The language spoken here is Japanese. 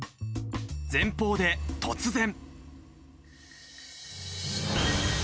前方で突然。